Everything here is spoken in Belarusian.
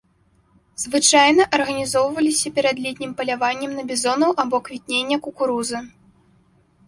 Звычайна арганізоўваліся перад летнім паляваннем на бізонаў або квітнення кукурузы.